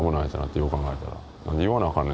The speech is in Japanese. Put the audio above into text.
よう考えたら。